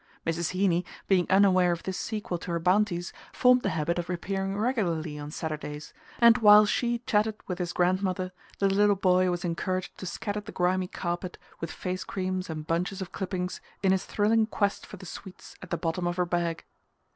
Mrs. Heeny, being unaware of this sequel to her bounties, formed the habit of appearing regularly on Saturdays, and while she chatted with his grandmother the little boy was encouraged to scatter the grimy carpet with face creams and bunches of clippings in his thrilling quest for the sweets at the bottom of her bag.